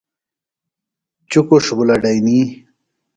چُکُݜ بُلڈئنی۔